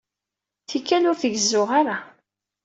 Tikkal, ur t-gezzuɣ ara.